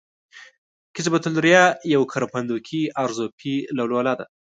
قصبة الریه یوه کرپندوکي غضروفي لوله ده.